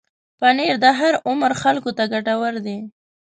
پنېر د هر عمر خلکو ته ګټور دی.